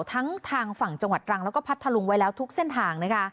ทั้งทางฝั่งจังหวัดตรังแล้วก็พัทธลุงไว้แล้วทุกเส้นทางนะคะ